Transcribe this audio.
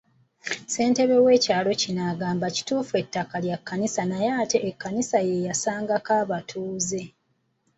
Ssentebe w'ekyalo kino agamba kituufu ettaka lya Kkanisa naye ate Ekkanisa ye yasangako abatuuze.